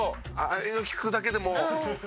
ああいうのを聞くだけでもおじさん